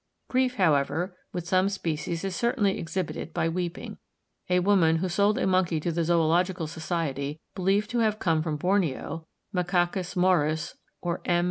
Grief, however, with some species is certainly exhibited by weeping. A woman, who sold a monkey to the Zoological Society, believed to have come from Borneo (Macacus maurus or _M.